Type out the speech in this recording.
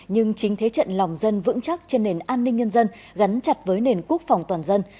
nhưng chính thế trận lòng dân vững chắc trên nền an ninh nhân dân gắn chặt với nền quốc phòng toàn dân